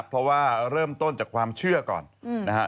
เพราะว่าเริ่มต้นจากความเชื่อก่อนนะฮะ